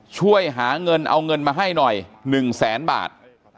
ช่วยหาเงินเอาเงินมาให้หน่อย๑แสนบาท